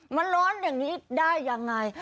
มันร้อนอย่างนี้ได้ยังไง